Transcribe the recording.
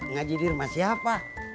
ngaji di rumah siapa